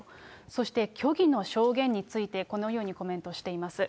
そして虚偽の証言について、このようにコメントしています。